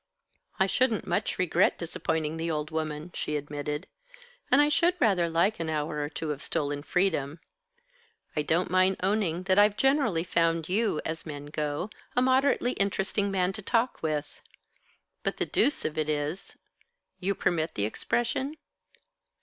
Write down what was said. "I shouldn't much regret disappointing the old woman," she admitted, "and I should rather like an hour or two of stolen freedom. I don't mind owning that I've generally found you, as men go, a moderately interesting man to talk with. But the deuce of it is You permit the expression?"